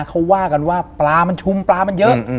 เขาว่ากันว่าปลามันชุมปลามันเยอะ